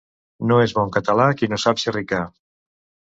No és bon català qui no sap xerricar.